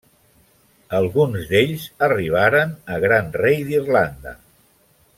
Alguns d'ells arribaren a Gran rei d'Irlanda.